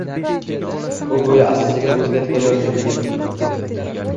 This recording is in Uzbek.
U go‘yo asta-sekin o‘ziga kelayotgandek edi.